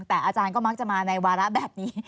แต่อาจารย์ก็มักจะมาในวาระแบบนี้